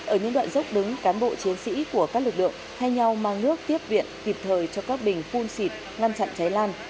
ở những đoạn dốc đứng cán bộ chiến sĩ của các lực lượng thay nhau mang nước tiếp viện kịp thời cho các bình phun xịt ngăn chặn cháy lan